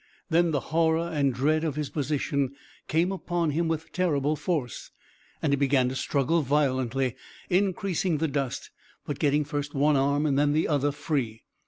Then the horror and dread of his position came upon him with terrible force, and he began to struggle violently, increasing the dust, but getting first one arm and then the other free.